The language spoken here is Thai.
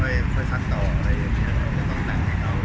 เรื่องงานอีกก็มีบ้างแต่ทำเรือได้แค่หนึ่งสี่ชั่วโมง